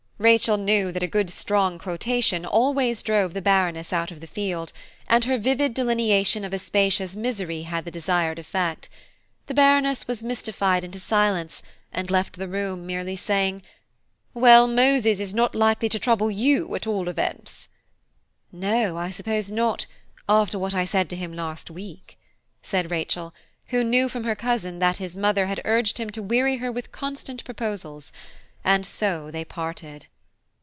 '" Rachel knew that a good strong quotation always drove the Baroness out of the field, and her vivid delineation of Aspasia's misery had the desired effect. The Baroness was mystified into silence, and left the room merely saying, "Well, Moses is not likely to trouble you, at all events." "No, I suppose not, after what I said to him last week," said Rachel, who knew from her cousin that his mother had urged him to weary her with constant proposals; and so they parted.